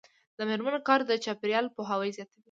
د میرمنو کار د چاپیریال پوهاوي زیاتوي.